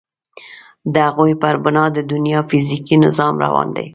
د هغوی پر بنا د دنیا فیزیکي نظام روان دی.